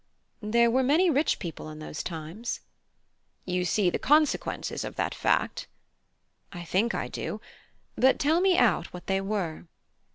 (I) There were many rich people in those times. (H.) You see the consequences of that fact? (I) I think I do. But tell me out what they were.